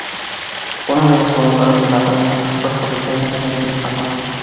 Fue una de las fundadoras de la Academia Puertorriqueña de la Lengua Española.